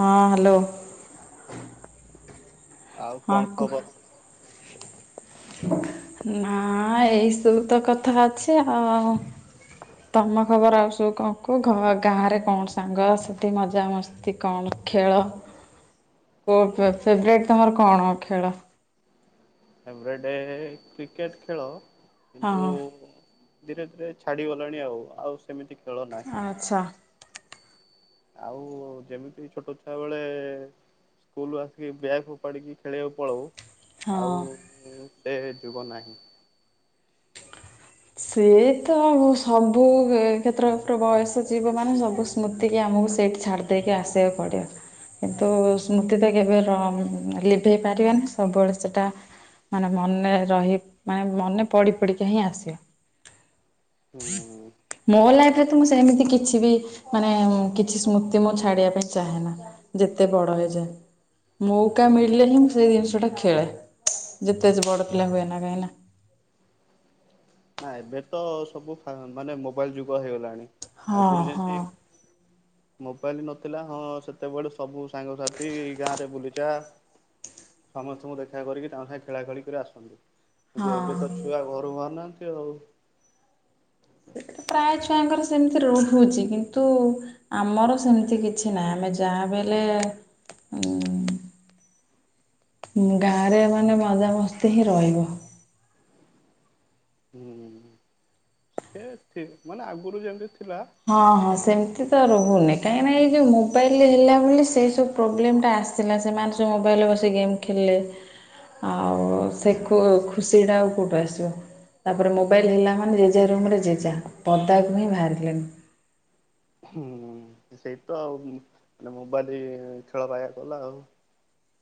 ହଁ ହ୍ୟାଲୋ। ଆଉ ହଁ କଣ କୁହ ଖବର? ନା ଏଇସବୁ ତ କଥା ଅଛି ଆଉ। ତମ ଖବର ଆଉ ସୁ କଣ କୁ ଗାଁରେ କଣ ସାଙ୍ଗ ସେଠି ମଜାମସ୍ତି? କଣ ଖେଳ? କୁହ ଫେଭରାଇଟ୍ ତମର କଣ ଖେଳ? ଫେବ୍ ରାଇଟ୍ କ୍ରିକେଟ୍ ଖେଳ କିନ୍ତୁ ହଁ ଧୀରେ ଧୀରେ ଛାଡିଗଲାଣି ଆଉ ଆଉ ସେମିତି ଖେଳ ନାହିଁ। ଆଚ୍ଛା। ଆଉ ଯେମିତି ଛୋଟ ଛୁଆ ବେଳେ ସ୍କୁଲୁ ଆସିକି ବ୍ୟାଗ ଫୋପାଡ଼ିକି ଖେଳିବାକୁ ପଳଉ। ହଁ। ଆଉ ସେ ଯୁଗ ନାହିଁ। ସିଏ ତ ସବୁ କ୍ଷେତ୍ର ବୟସ ଜୀବ ମାନେ ସବୁ ସ୍ମୃତି କିି ଆମକୁ ସେଇଠି ଛାଡ଼ି ଦେଇକି ଆସିବାକୁ ପଡ଼ିବ। କିନ୍ତୁ ସ୍ମୃତି ତ କେବେ ଲିଭେଇ ପାରିବେନି ସବୁବେଳେ ସେଟା ମାନେ ମନେ ରହି ମାନେ ମନେ ପଡ଼ି ପ଼ଡି କା ହିଁ ଆସେ। ହୁଁ ହ ମୋ ଲାଇଫ୍ ରେ ତ ମୁଁ ସେମିତି କିଛି ବି ମାନେ କିଛି ସ୍ମୃତି ମୁଁ ଛାଡିବା ପାଇଁ ଚାହେଁ ନା। ଯେତେ ବଡ଼ ହେଇଯା। ମଉକା ମିଳିଲେ ହିଁ ମୁଁ ସେଇ ଜିନିଷଟା ଖେଳେ ଯେତେ ବଡ଼ ପିଲା ହୁଏ ନା କାହିଁକିନା। ନା ଏବେ ତ ସବୁ ଫା ମାନେ ମୋବାଇଲ ଯୁଗ ହେଇଗଲାଣି ହଁ ଆଗରୁ ହଁ ଯେମିତି ହଁ। ମୋବାଇଲ ନଥିଲା ହଁ ସେତେବେଳେ ସବୁ ସାଙ୍ଗସାଥି ଗାଁ ରେ ବୁଲୁଚା। ସମସ୍ତଙ୍କୁ ଦେଖା କରିକି ତାଙ୍କ ସାଙ୍ଗେ ଖେଳା ଖେଳିକରି ଆସନ୍ତୁ। କିନ୍ତୁ ଏବେ ହଁ। ତ ଛୁଆ ଘରୁ ବାହାରୁନାହାନ୍ତି ଆଉ। ସେଟାତ ପ୍ରାୟ ଛୁଆଙ୍କର ସେମିତି ରହହୁଛି କିନ୍ତୁ ଆମର ସେମତି କିଛି ନାଁ ଆମେ ଯାହା ବିହେଲେ ଉଁ ଗାଁରେ ମାନେ ମଜାମସ୍ତି ହିଁ ରହିବ। ହୁଁ ସେ ଥି ମାନେ ଆଗୁରୁ ଯେମତି ଥିଲା ହଁ ହଁ ମାନେ ସେମତି ତ ରହୁନି କାଇଁକିନା ଏଇ ଯୋଉ ମୋବାଇଲ ହେଲା ବୋଲି ସେଇ ସବୁ ପ୍ରୋବ୍ଲେମ ଟା ଆସିଲା ସେମାନେ ସବୁ ମୋବାଇଲ ରେ ବସି ଗେମ୍ ଖେଲେ ଆଉ ସେ ଖୁ ଖୁସି ଟା ଆଉ କୋଉଠୁ ଆସିବ? ତାପରେ ମୋବାଇଲ ହେଲା ମାନେ ଜେଜା ରୁମ୍ ରେ ଜେଜା ପଦାକୁ ହିଁ ଭାରିଲେନି। ହୁଁ ସେଇ ତ ଆଉ ମାନେ ମୋବାଇଲି ଖେଳ ବାଇଆ କଲା ଆଉ।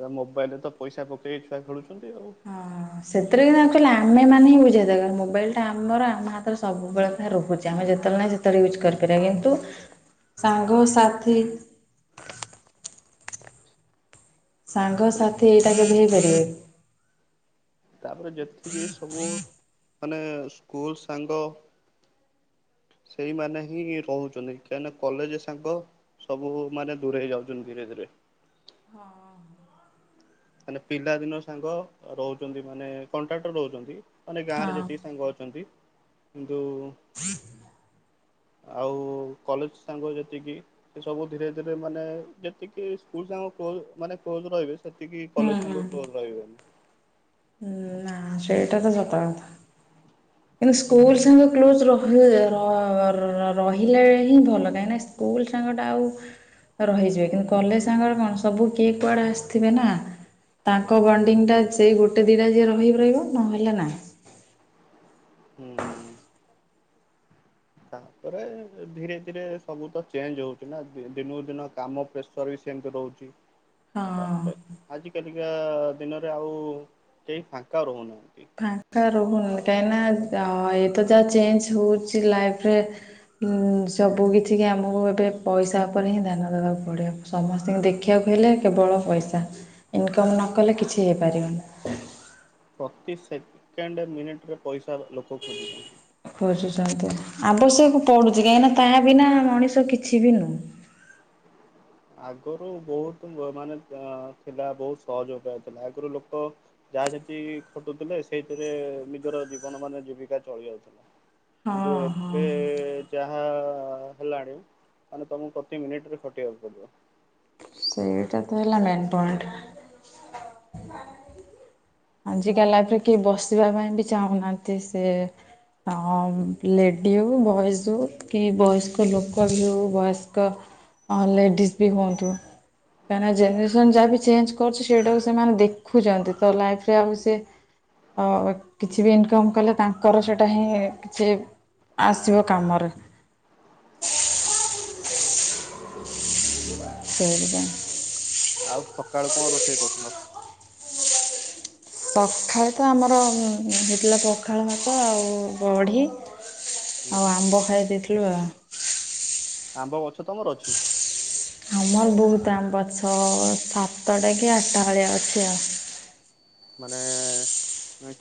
ତ ମୋବାଇଲରେ ତ ପଇସା ପକେଇ ଛୁଆ ଖେଲୁଛନ୍ତି ଆଉ। ହଁ ସେଥିରେ କିନା ଅଲ୍ଚୁଆଲି ଆମେମାନେ ହିଁ ବୁଝିବା ଦରକାର ମୋବାଇଲ ଟା ଆମର ଆମ ହାତରେ ସବୁବେଳେ ପାଇଁ ରହୁଚି ଆମେ ଯେତେବେଳେ ନାହିଁ ସେ ତାର ୟୁଜ୍ କରିପାରିବା କିନ୍ତୁ ସାଙ୍ଗସାଥି ତାପରେ ସାଙ୍ଗସାଥି ଏଇଟା କେବେ ହେଇ ପାରିବ କି? ତାପରେ ଯେଥିକି ସବୁ ମାନେ ସ୍କୁଲ ସାଙ୍ଗ ସେଇମାନେ ହିଁ ରହୁଚନ୍ତି କାହିଁକିନା କଲେଯେ ସାଙ୍ଗ ସବୁ ମାନେ ଦୂରେଇ ଯାଉଚନ୍ତି ଧୀରେ ଧୀରେ। ହେଲେ ପିଲାଦିନ ସାଙ୍ଗ ରହୁଚନ୍ତି ମାନେ କନଟାକ୍ଟ ରେ ରହୁଚନ୍ତି। ମାନେ ଗାଁ ରେ ହଁ। ଯେତିକି ସାଙ୍ଗ ଅଛନ୍ତି କିନ୍ତୁ ଆଉ କଲେଜ ସାଙ୍ଗ ଯେତିକି ସେ ସବୁ ଧୀରେ ଧୀରେ ମାନେ ଯେତିକି ସ୍କୁଲ ସାଙ୍ଗ କ୍ଲୋଜ୍ ମାନେ କ୍ଲୋଜ୍ ରହିବେ ସେତିକି କଲେଜ ହୁଁ ସାଙ୍ଗ କ୍ଲୋଜ ରହିବେନି। ଉଁ ନାଁ ସେଇଟା ତ ସତ କଥା। [inaudible] କିନ୍ତୁ ସ୍କୁଲ ସାଙ୍ଗ କ୍ଲୋଜ୍ [unintelligible] ର ରହିଲେ ହିଁ ଭଲ କାହିଁକି ନା ସ୍କୁଲ ସାଙ୍ଗଟା ଆଉ ରହିଯିବେ କିନ୍ତୁ କଲେଜ ତାଙ୍କର କଣ ସବୁ କିଏ କୁଆଡ଼େ ଆସିଥିବେ ନା ତାଙ୍କ ବଣ୍ଡିଙ୍ଗ ଟା ସେ ଗୋ ଗୋଟେ ଦିଇଟା ଯିଏ ରହିିବ ରହିବ ନହଲେ ନାହିଁ। ହୁଁ। ତାପରେ ଧୀରେ ଧୀରେ ସବୁ ତ ଚେଞ୍ଚ ହଉଚି ନା ଦିନକୁ ଦିନ କାମ ପ୍ରେସ ସର ବି ସେମତି ରହୁଚି। ହଁ ତାପରେ ଆଜିକାଲିକା ଦିନରେ ଆଉ କେହି ଫାଙ୍କା ରହୁନାହାନ୍ତି। ଫାଙ୍କା ରହୁନ୍ କାଇଁ ନା ଅ ଏଇତ ଯାହା ଚେଞ୍ଚ ହଉଚି ଲାଇଫରେ ହୁଁ ସବୁକିଛି କି ଆମକୁ ଏବେ ପଇସା ଉପରେ ହିଁ ଧ୍ୟାନ ଦେବାକୁ ପଡ଼ିବ। ସମସ୍ତିଙ୍କି ଦେଖିବାକୁ ହେଲେ କେବଳ ପଇସା ଇନକମ୍ ନ କଲେ କିଛି ହେଇପାରିବନି। ପ୍ରତି ସେକେଣ୍ଡ ମିନିଟ୍ ରେ ପଇସା ଲୋକ ଖୋଜୁଚନ୍ତି। ଖୋଜୁଛନ୍ତି ଆବଶ୍ୟକ ପଡ଼ୁଚି କାଇଁନା ତା ବିନା ମଣିଷ କିଛି ବି ନୁହୁଁ। ଆଗରୁ ବହୁତୁ ଲୋ ମାନେ ଅ ଥିଲା ବହୁତ ସହଜ ଅପାୟ ଥିଲା ଆଗୁରୁ ଲୋକ ଯାହା ଯେତିକି ଖଟୁଥିଲେ ସେଥିରେ ନିଜର ଜୀବନ ମାନେ ଜୀବିକା ଚଳି ଯାଉଥିଲା। ହଁ କିନ୍ତୁ ଏବେ ହଁ ଯାହା ହେଲାଣି ମାନେ ତମକୁ ପ୍ରତି ମିନିଟିରେ ଖଟିବାକୁ ପଡିବ। ସେଇଟା ତ ହେଲା ମେନ୍ ପଏଣ୍ଟ। ଆଜିକା ଲାଇଫରେ କିଏ ବସିବା ପାଇଁ ବି ଚାହୁଁନାନ୍ତି ସେ ହଁ ଲେଡ଼ି ହଉ ବଏଜ୍ ହଉ। କି ବୟସ୍କ ଲୋକବି ହଉ ବୟସ୍କ ଲେଡ଼ିଜ୍ ବି ହୁଅନ୍ତୁ। କାଇଁନା ଜେନେରେସନ୍ ଯାହା ବି ଚେଞ୍ଚ କରୁଚି ସେଇଟାକୁ ସେମାନେ ଦେଖୁଚନ୍ତି ତ ଲାଇଫ ରେ ଆଉ ସେ ଅ କିଛି ବି ଇନକମ୍ କଲେ ତାଙ୍କର ସେଟା ହିଁ କିଛି ଆସିବ କାମରେ। ସେଇଟା। ଆଉ ସଖାଳୁ କଣ ରୋଷେଇ କରୁଥିଲ? ସଖାଳେତ ଆମର ହେଇଥିଲା ପଖାଳ ଭାତ ଆଉ ବଢ଼ି ହୁଁ ଆଉ ଆମ୍ବ ଖାଇ ଦେଇଥିଲୁ ଆଉ। ଆମ୍ବ ଗଛ ତମର ଅଛି। ଆମର ବହୁତ୍ ଆମ୍ବ ଗଛ ସାତଟା କି ଆଠଟା ବେଳିଆ ଅଛି ଆଉ। ମାନେ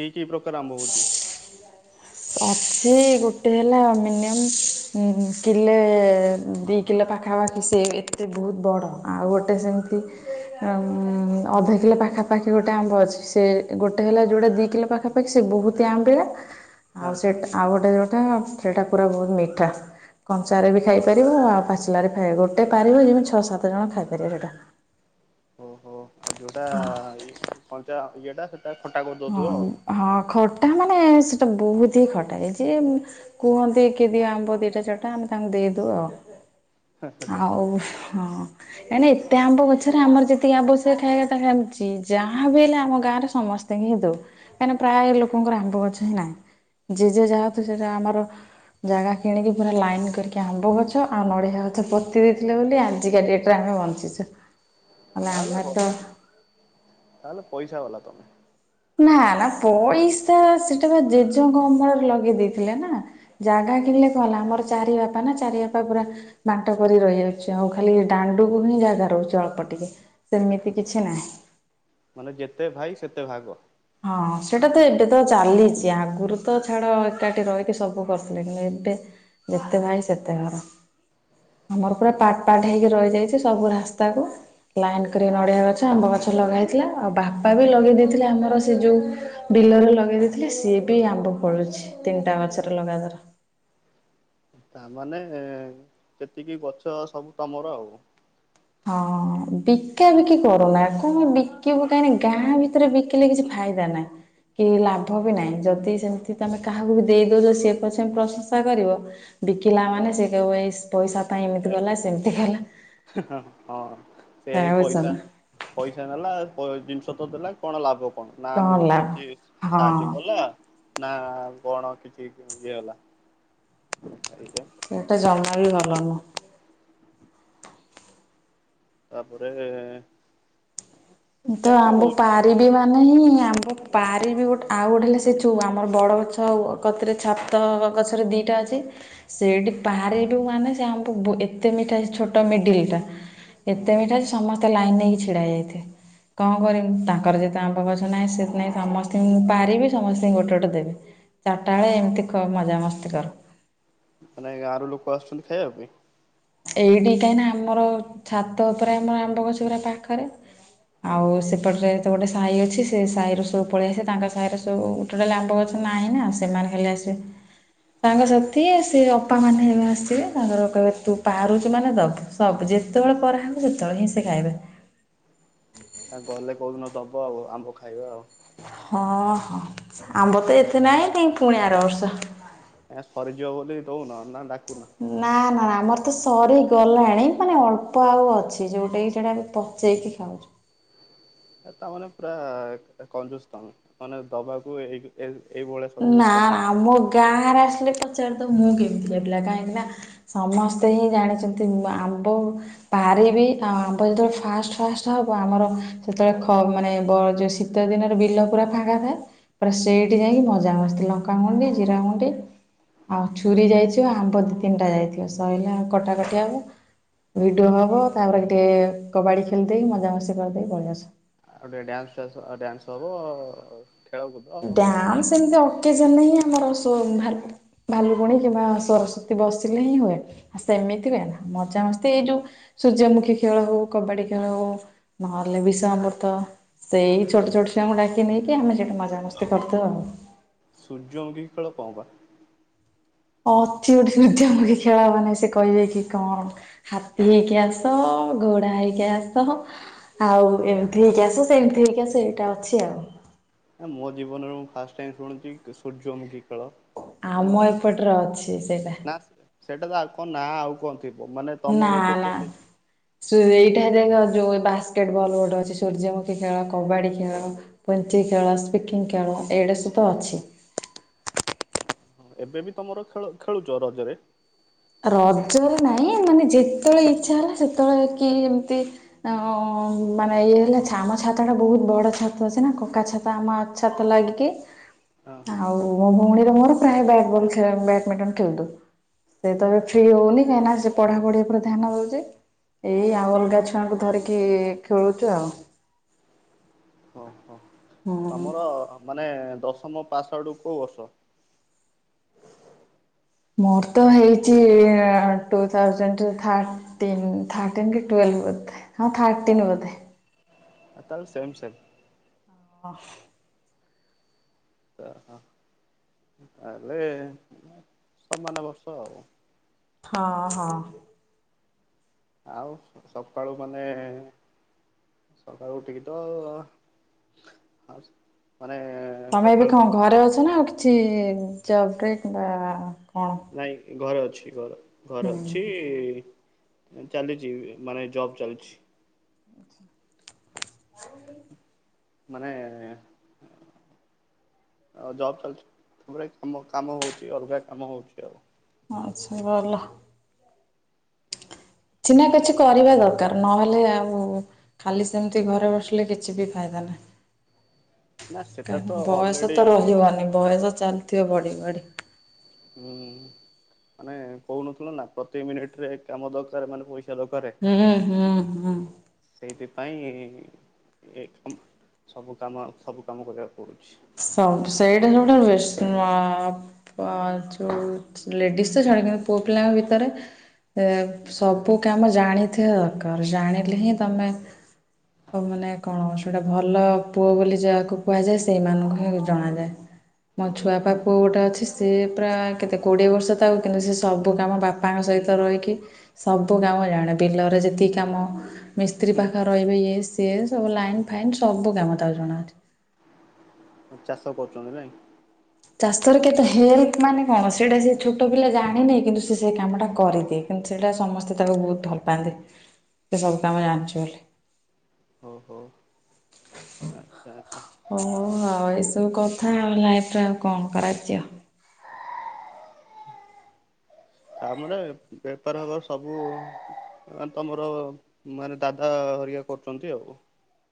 କି କି ପ୍ରକାର ଆମ୍ବ ହଉଛି। ଅଛି ଗୋଟେ ହେଲା ମିନିମମ୍ କିଲେ ଦି କିଲ ପାଖାପାଖି ସେ ଏତେ ବହୁତ୍ ବଡ଼ ଆଉ ଗୋଟେ ସେମିତି ଅଧ କିଲୋ ପାଖାପାଖି ଗୋଟେ ଆମ୍ବ ଅଛି ସେ ଗୋଟେ ହେଲା ଯୋଉଟା ଦି କିଲୋ ପାଖା ପା ଖି ସେ ବହୁତ ଆମ୍ବିଳା ହଁ ଆଉ ସେଟା ଆଉ ଗୋଟେ ଯୋଉଟା ସେଟା ପୁରା ବହୁତ୍ ମିଠା। କଞ୍ଚାରେ ବି ଖାଇପାରିବ ଆଉ ପାଚିଲାରେ ଖାଇବ ଗୋଟେ ପାରିବ ଯେମିତି ଛଅ ସାତ ଜଣ ଖାଇ ପାରିବେ ସେଇଟା। ଓ ଆଉ ଯୋଉଟା ହଁ ଇ କଞ୍ଚା ଇଏଟା ସେଟା ଖଟା କରିଦଉଥିବ ହଁ ଆଉ। ହଁ ଖଟ ଟା ମାନେ ସେଟା ବହୁତ୍ ହିଁ ଖଟା ହେଇଚି କୁହନ୍ତି କି ଦିଅ ଆମ୍ବ ଦିଟା ଚାରିଟା ଆମେ ତାଙ୍କୁ ଦେଇଦଉ ଆଉ ଆଉ ହଁ। କାହିଁ ନା ଏତେ ଆମ୍ବ ଗଛରେ ଆମର ଯେତିକି ଆବଶ୍ଯ ଖାଇବା ପାଇଁ ଯାହା ହେଉଚି ଯାହା ବି ହେଲେ ଆମ ଗାଁରେ ସମ ସ୍ତେ ହିଁ ଦଉ କାହିଁକିନା ପ୍ରାୟ ଲୋକଙ୍କର ଆମ୍ବ ଗଛ ହିଁ ନାହିଁ ଯି ଯି ଯା ହୁତୁ ସେଟା ଆମର ଜାଗା କିଣିକି ପୁରା ଲାଇନ୍‌ କରିକି ଆମ୍ବ ଗଛ ଆଉ ନଡ଼ିଆ ଗଛ ପୋତି ଦେଇଥିଲେ ବୋଲି ଆଜିକା ଡେଟ୍ ଯାହା ବଞ୍ଚିଛୁ। ନହେଲେ ତାହେଲେ ଆମେ ବ ତ ତାହେଲେ ପଇସା ବାଲା ତମେ। ନା ନା ପଇସା ସେଟା ବା ଜେଜେଙ୍କ ଅମଳରେ ଲଗେଇ ଦେଇେଇଥିଲେ ନା। ଜାଗା କିଣିଲେ କଣ ହେଲା ଆମର ଚାରି ବାପା ନା ଚାରି ବାପା ପୁରା ବାଣ୍ଟ କରି ରହିଯାଉଛି ଆଉ ଖାଲି ଦାଣ୍ଡୁକୁ ହିଁ ଜାଗା ରହୁଛି ଅଳ୍ପ ଟିକେ। ସେମିତି କିଛି ନାହିଁ। ମାନେ ଯେତେ ଭାଇ ସେତେ ଭାଗ। ହଁ ସେଇଟା ତ ଏବେ ତ ଚାଲିଛି ଆଗରୁ ତ ଛାଡ ଏକାଠି ରହିକି ସବୁ କରିୁଥିଲେ କିନ୍ତୁ ଏବେ ଯେତେ ଭାଇ ସେତେ ଘର ଆମର ପୁରା ପାର୍ଟ ପାର୍ଟ ହେଇକି ରହିଯାଇଛୁ ସବୁ ରାସ୍ତା କୁ ଲାଇନ୍ କରି ନଡିଆ ଗଛ ଆମ୍ବ ଗଛ ଲଗା ହେଇଥିଲା ଆଉ ବାପା ବି ଲଗେଇ ଦେଇଥିଲେ ଆମର ସେ ଯେଉଁ ବିଲରେ ଲଗେଇ ଦେଇଥିଲେ ସିଏ ବି ଆମ୍ବ ଫଳୁଛି ତିନିଟା ଗଛରେ ଲଗା ତର। ତା ମାନେ ଯେତିକି ଗଛ ସବୁ ତମର ଆଉ। ହଁ ବିକା ବିକି କରୁନା କଣ ବିକିବୁ କାହିଁକି ନା ଗାଁ ଭିତରେ ବିକି ଵିକିଲେ କିଛି ଫାଇଦା ନାହିଁ। କି ଲାଭ ବି ନାହିଁ ଯଦି ସେମିତି ତମେ କାହାକୁ ବି ଦେଇଦଉଛ ସିଏ ପଛେ ପ୍ରଶଂସା କରିବ ବିକିଲା ମାନେ ସେଏ କହିବ ଏଇ ପଇସା ପାଇଁ ଏମିତି ଏ ଗଲା ସେମିତି କଲା। ହଁ ସେଇ ପଇସା ପଇସା ନେଲା ଜିନିଷ ତ ଦେଲା କଣ ଲାଭ କଣ ନା ଆମକୁ କିଛି ସାହାଯ୍ୟ ହଁ। କଲା। ନା କଣ କିଛି ଇଏ ହେଲା ଏଇଟେ। ସେଇଟା ଜମାରୁ ଭଲ ନୁହଁ। ତାପରେ। ମୁଁ ତ ସେମିତି ଆମ୍ବୁ ପା ହଉଛି ରିବି ମାନେ ହିଁ ଆମ ପାରିିବି ଗୋଟେ ଆଉ ଗୋଟେ ହେଲେ ସେ ଛୁ ଆମର ବଡ଼ ଗଛ ଆଉ କତିରେ ଛାତ ଗଛରେ ଦିଇଟା ଅଛି। ସେଇଠି ପାରିବି ମାନେ ସେ ଆମକୁ ଏତେ ମିଠା ସେ ଛୋଟ ମିଡିଲ ଟା ହୁଁ ଏତେ ମିଠା ସମସ୍ତେ ଲାଇନ୍ ନେଇକି ଛିଡ଼ା ହେଇ ଯାଇଥିବେ। କଣ କରିବି ତାଙ୍କର ଯେତେ ଆମ୍ବ ଗଛ ନାହିଁ ସେ ନାଇଁ ସମସ୍ତଙ୍କୁ ମୁଁ ପାରିବି ସମସ୍ତଙ୍କୁ ଗୋଟେ ଗୋଟେ ଦେବି। ଚାରିଟା ବେଳେ ଏମିତି ମଜାମସ୍ତି କରୁ। ମାନେ ଗାଁରୁ ଲୋକ ଆସୁଛନ୍ତି ଖାଇବା ପାଇଁ? ଏଇଠି କାହିଁ ନା ଆମର ଛାତ ଉପରେ ଆମର ଆମ୍ବ ଗଛ ଉରା ପାଖରେ। ହଁ ଆଉ ସେପଟରେ ତ ଗୋଟେ ସାହି ଅଛି ସେ ସାହିର ସବୁ ପଳେଇଆସସିେ ତାଙ୍କ ସାହିରେ ସବୁୋଟେ ଲ ଆମ୍ବ ଗଛ ନାହିଁ ନା ଆଉ ସେମାନେ ହେଲେ ଆସି ତେ ସାଙ୍ଗ ସାଥି ସେ ଅପା ମାନେ ହେବେ ଆସିବେ ତାଙ୍କର କହିବେ ତୁ ପାରୁଛୁ ମାନେ ଦବୁ ସବୁ ଯେତେବେଳେ ପରାହବ ସେତେବେଳେ ହିଁ ସେ ଖାଇବେ। ଆଁ ଗଲେ କୋଉଦିନ ଦବ ଆଉ ଆମ୍ବ ଖାଇବା ଆଉ ହଁ ହଁ ଆମ୍ବ ତ ଏତେ ନାହିଁ କି ପୁଣି ଆର ବର୍ଷ। ଆଁ ସରିଯିବ ବୋଲି ଦଉନ ନା ଡାକୁନ। ନା ନାନା ଆମର ତ ସରି ଗଲାଣି ମାନେ ଅଳ୍ପ ଆଉ ଅଛି ଯୋଉଟାକି ସେଟା ପଚେଇକି ଖାଉଚୁ। ଏ ତା ତମର ପୁରା କଂଜୁସ ତମେ ମାନେ ଦବାକୁ ଏଇ ଏ ଏଇଭଳିଆ ନା ସବୁ ନା କଥା ଆମ କହୁଛ। ଗାଁରେ ଆସିଲେ ପଚାରି ଦବୁ ମୁଁ କେମିତି ପିଲା କାହିଁକି ନା ସମସ୍ତେ ହିଁ ଜାଣିଛନ୍ତି ମୁଁ ଆମ୍ବ ପାରିବି ଆଉ ଆମର ଯେତେବେଳେ ଫାଷ୍ଟ ଫାଷ୍ଟ ହବ ଆମର ସେତେବେଳେ ଖ ମାନେ ବ ଯୋଉ ଶୀ ତ ଦିନରେ ବିଲ ପୁରା ଫାଙ୍କା ଥାଏ ପା ସେଇଠି ଯାଇକି ମ ସମସ୍ତେ ଲଙ୍କା ଗୁଣ୍ଡି ଜିରା ଗୁଣ୍ଡି ଆଉ ଛୁରୀ ଯାଇଥିବ ଆମ୍ବ ଦି ତିନିଟା ଯାଇଥିବ ସଇଲା କଟାକଟି ହବ। ଭିଡ଼ିଓ ହବ ତାପରେ ଟିକେ କବାଡ଼ି ଖେଳିଦେଇ ମଜାମସ୍ତି କରିଦେଇ ପଳେଇ ଆସୁ। ଆଉ ଟିକେ ଡ୍ୟାନ୍ସ ଫ୍ୟାନ୍ସ ଆଉ ଡ୍ୟାନ୍ସ ହବ ଆଉ ଡ୍ୟାନ୍ସ ଏମତି ଅକେଜନରେହିଁ ଆମର ଶୋ ଭାରତ ଭାଲୁକୁଣି କିମ୍ବା ସରସ୍ୱତୀ ବସିଲେ ହିଁ ହୁଏ। ସେମିତି ହୁଏନା ମଜାମସ୍ତି ଏଇ ଯୋଉ ସୂର୍ଯ୍ୟମୁଖୀ ଖେଳ ହଉ କବାଡି ଖେଳ ହଉ ନହେଲେ ବିଷ ଆମ୍ବୃତ ସେଇ ଛୋଟ ଛୋଟ ଛୁଆ ଙ୍କୁ ଡାକିକି ନେଇକି ଆମେ ସେଠି ମଜା କରୁ। ସ୍ତେ କରିଥିବା ସୂର୍ଯ୍ୟମୁଖୀ ଖେଳ କଅଁ ପା? ଅକ୍ଷୟ ତୃତୀୟା [unintelligible] ଖେଳ ମାନେ ସିଏ କହିବେ କି କଣ। ହାତୀ ହେଇକି ଆସ ଘୋଡା ହେଇକି ଆସ। ଆଉ ଏମିତି ହେଇକି ଆସ ସେମିତି ହେଇକି ଏଇଟା ଅଛି ଆଉ। ଆ ମୋ ଜୀବନରେ ମୁଁ ଫାଷ୍ଟ ଟାଇମ ଶୁଣୁଛି ସୂର୍ଯ୍ୟମୁଖୀ ଖେଳ। ଆମ ଏପଟରେ ଅଛି ସେଏଟା। ନା ସେଇଟା ଆଉ କଣ ନାଁ ଆଉ କଣ ଥ ଥିବ ମାନେ ନା ତମର ନା। କହୁଛ ସେଇଠା ଦେଖ ଯୋଉ ବାସ୍କେଟବଲ୍ ଗୋଟେ ଅଛି ସୂର୍ଯ୍ୟମୁଖୀ ଖେଳ କବାଡ଼ି ଖେଳ। ପୁଞ୍ଚି ଖେଳ ସ୍ପିକିଂ ଖେଳ ଏଇଡା ସବୁ ଅଛି। ହଁ ଏବେ ବି ତମର ଖେଳ ଖେଳୁଛ ରଜରେ? ରଜରେ ନାଇଁ ମାନେ ଯେତେବେଳେ ଇଚ୍ଛା ହେଲା ସେତେବେଳେ କି ଏମତି ଅ ମାନେ ଇଏ ହେଲେ ଛାମ ଛାତ ଟା ବହୁତ ବଡ ଛା ତ ଅଛି ନା କକା ଛାତ ଆମ ଛାତ ଲାଗିକି ହଁ ହଁ ଆଉ ମୋ ଭଉଣୀର ମୋର ପ୍ରାୟ ବ୍ୟାଟବଲ ଖେଳ ବ୍ୟାଡମିଣ୍ଟନ ଖେଳଦଉ। ସେତ ଏବେ ଫ୍ରି ହଉନି କାହିଁକିନା ସେ ପଢା ପଢି ଉପରେ ଧ୍ୟାନ ଦଉଚି। ଏଇ ଆଉ ଅଲଗା ଛୁଆଙ୍କୁ ଧରିକି ଖେଳୁଛୁ ଆଉ। ଓହୋ ହୁଁ। ତମର ମାନେ ଦଶମ ପାସ ଆଉଟ କଉ ବର୍ଷ? ମୋର ତ ହେଇଛି ଟୁ ଥାଉଜେଣ୍ଟ ଥା ଥାର୍ଟଟିନ୍ ଥାର୍ଟଟିନ୍‌ କି ଟୁଏଲଭ ବଧେ ହଁ ଥଟଟିନ୍ ବୋଧେ। ଆ ତାହେଲେ ସେମ୍ ସେମ୍। ହଁ। ହ ତାହାଲେ ସମାନ ବର୍ଷ ଆଉ। ହଁ ହଁ। ଆଉ ସକାଳୁ ମାନେ ସକାଳୁ ଉଠିକି ତ ହସ ମାନେ ତମେ ଏବେ ପଖାଳ କଁ ଖାଇଛ ଘରେ ଅଛ ନା ଆଉ କିଛି ଜବରେ କିମ୍ବା କଣ? ନାଇଁ ଘରେ ଅଛି ଘର ହୁଁ। ଘରେ ଅଛି। ଚାଲିଛି ମାନେ ଜବ୍ ଚାଲିଛି। [unintelligible] ମାନେ ଆଉ ଜବ୍ ଚାଲିଛି ତାପରେ କ କାମ ହଉଛି ଅଲଗା କାମ ହଉଛି ଆଉ। ଆଛା ଭଲ। [unintelligible] କିଛି ନା କିଛି କରିବା ଦରକାର ନହେଲେ ଆଉ ଖାଲି ସେମିତି ଘରେ ବସିଲେ କିଛି ବି ଫାଇଦା ନାହିଁ। [inaudible] ତ କାହିଁକ ବୟସ ଅଲରେଡି ତ ରହିବନି ବୟସ ଚାଲିଥିବ ବଢି ବଢି। ହୁଁ ମାନେ କହୁନଥିଲ ନା ପ୍ରତି ମିନିଟ ରେ କାମ ଦରକାର ମାନେ ପଇସା ଦରକାର। ହୁଁ ହୁଁ ହୁଁ। ସେଇଥିପାଇଁ [unintelligible] ସବୁ କାମ ସବୁ କାମ କରିବାକୁ ପଡ଼ୁଛି। ସ ସେଇଟା ସବୁଠାରୁ ବେଷ୍ଟ। ଯୋଉ ଲେଡ଼ିସ୍ ତ ଛାଡ଼ିବେ କିନ୍ତୁ ପୁଅ ପିଲାଙ୍କ ଭିତରେ ଏ ସବୁ କାମ ଜାଣିଥିବା ଦରକାର ଜାଣିଲେ ହିଁ ତମେ ଆ ମାନେ କଣ ସେଇଟା ଭଲ ପୁଅ ବୋଲି ଯାହାକୁ କୁହାଯାଏ ସେଇମାନଙ୍କୁ ହୁଁ ଜଣାଯାଏ। ମୋ ଛୁଆ ପାପୁ ଗୋଟେ ଅଛି ସିଏ ପ୍ରା କେତେ କୋଡିଏ ବର୍ଷ ତାକୁ କିନ୍ତୁ ସେ ସବୁ କାମ ବାପ ପାଙ୍କ ସହିତ ରହିକି ସବୁ କାମ ଜାଣେ ବିଲରେ ଯେତିକି କାମ। ମିସ୍ତ୍ରୀ ପାଖରେ ହୁଁ ରହିବେ ଇଏ ସିଏ ସବୁ ଲାଇନ୍ ଫାଇନ୍ ସବୁ କାମ ତାକୁ ଜଣାଅଛି। ଚାଷ କରୁଚନ୍ତି ନାଇଁ? ଚାଷର କେତେ ହେଲ୍ପ ମାନେ କଣ ସେଇଟା ସେଛୋଟ ପିଲା ଜାଣିନି କିନ୍ତୁ ସେ ସେକାମଟା କରିଦିଏ। କିନ୍ତୁ ସେଇଟା ସମସ୍ତେ ତାକୁ ବହୁତ୍ ଭଲ ପାଆନ୍ତି ସେସବୁ କାମ ଜାଣିଚି ବୋଲି। ଓହୋ। ଆଚ୍ଛା ଆଚ୍ଛା ଓ ହୋଉ ଆଉ ଏସବୁ କଥା ଆଉ ଲାଇଫରେ ଆଉ କଣ କରାଯିବ। ତାପରେ ବେପାର ହବ ସବୁ ତମର ମାନେ ଦାଦା ହରିକା କରୁଚନ୍ତି ଆଉ।